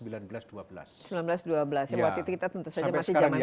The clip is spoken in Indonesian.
seribu sembilan ratus dua belas ya waktu itu kita tentu saja masih zaman kolonial